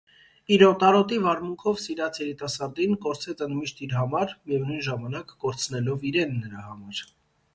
իր օտարոտի վարմունքով սիրած երիտասարդին կորցրեց ընդմիշտ իր համար, միևնույն ժամանակ կորցնելով իրեն նրա համար: